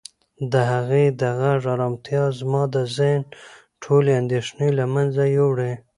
د هغې د غږ ارامتیا زما د ذهن ټولې اندېښنې له منځه یووړې.